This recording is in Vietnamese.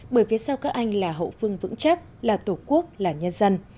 bởi phía sau các anh là hậu phương vững chắc là tổ quốc là nhân dân